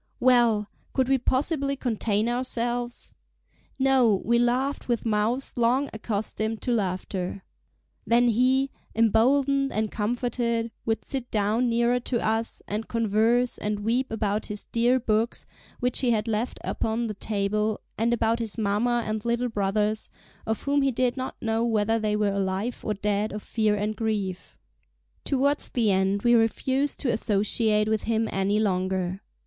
Well! Could we possibly contain ourselves? No, we laughed with mouths long accustomed to laughter. Then he, emboldened and comforted, would sit down nearer to us, and converse, and weep about his dear books, which he had left upon the table, and about his mamma and little brothers, of whom he did not know whether they were alive or dead of fear and grief. Towards the end we refused to associate with him any longer.